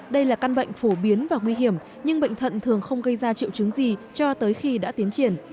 đây là căn bệnh phổ biến và nguy hiểm nhưng bệnh thận thường không gây ra triệu chứng gì cho tới khi đã tiến triển